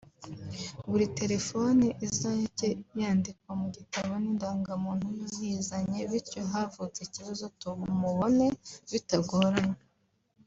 buri telefone izajye yandikwa mu gitabo n’indangamuntu y’uyizanye bityo havutse ikibazo tumubone bitagoranye